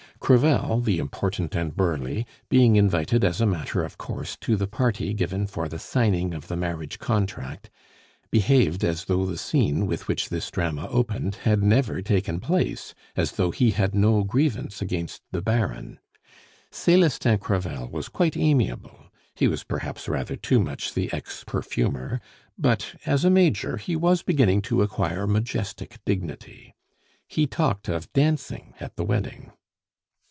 Crevel, the important and burly, being invited as a matter of course to the party given for the signing of the marriage contract, behaved as though the scene with which this drama opened had never taken place, as though he had no grievance against the Baron. Celestin Crevel was quite amiable; he was perhaps rather too much the ex perfumer, but as a Major he was beginning to acquire majestic dignity. He talked of dancing at the wedding.